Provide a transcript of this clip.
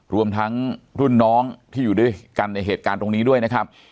รวมทั้งรุ่นน้องที่อยู่ด้วยกันในเหตุการณ์ตรงนี้ด้วยนะครับ